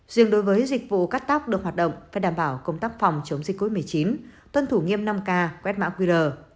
riêng đối với dịch vụ cắt tóc được hoạt động phải đảm bảo công tác phòng chống dịch covid một mươi chín tuân thủ nghiêm năm k quét quét mã qr